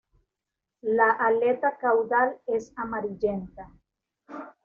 La aleta caudal es amarillenta.